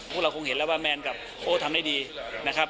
พวกเราคงเห็นแล้วว่าแมนกับโอ้ทำได้ดีนะครับ